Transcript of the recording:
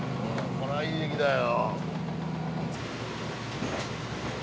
これはいい駅だよ。